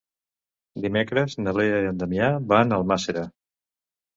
Dimecres na Lea i en Damià van a Almàssera.